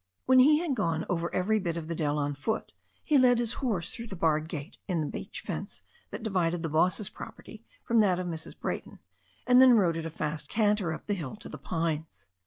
When he had gone over every bit of the dell on foot, he led his horse through the barred gate in the beach fence that divided the boss's prop erty from that of Mrs. Brayton, and then rode at a fast canter up the hill to the pines.